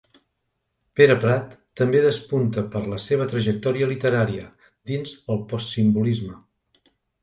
Pere Prat també despunta per la seva trajectòria literària, dins el postsimbolisme.